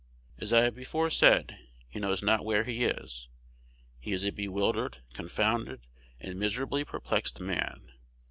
As I have before said, he knows not where he is. He is a bewildered, confounded, and miserably perplexed man.